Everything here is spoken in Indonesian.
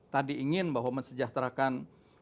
tadi ingin bahwa mensejahterakan